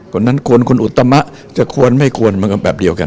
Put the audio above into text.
คนนั้นควรคุณอุตมะจะควรไม่ควรมันก็แบบเดียวกัน